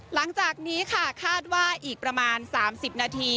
หลังจากนี้ค่ะคาดว่าอีกประมาณ๓๐นาที